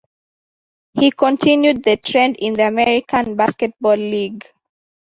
He continued the trend in the American Basketball League.